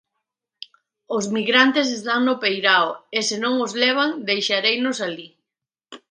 Os migrantes están no peirao e se non os levan deixareinos alí.